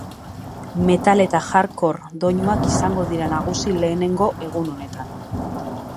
Metal eta hard-core doinuak izango dira nagusi lehenengo egun honetan.